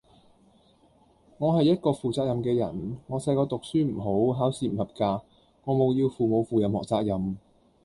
我系一個負責任嘅人，我細個讀書唔好，考試唔合格，我冇要父母負任何責任